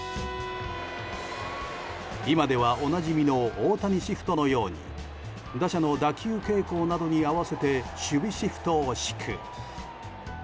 今では、おなじみの大谷シフトのように打者の打球傾向などに合わせて守備シフトを敷く。